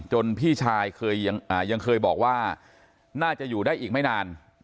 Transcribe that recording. พี่ชายเคยยังเคยบอกว่าน่าจะอยู่ได้อีกไม่นาน